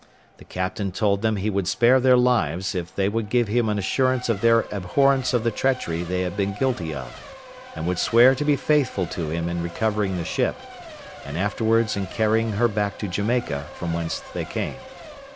The captain told them he would spare their lives if they would give him an assurance of their abhorrence of the treachery they had been guilty of, and would swear to be faithful to him in recovering the ship, and afterwards in carrying her back to Jamaica, from whence they came.